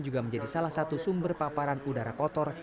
juga menjadi salah satu sumber paparan udara kotor